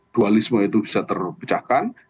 dualisme itu bisa terpecahkan